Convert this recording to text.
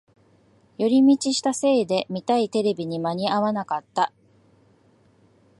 寄り道したせいで見たいテレビに間に合わなかった